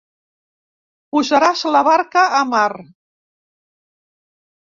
Posaràs la barca a mar.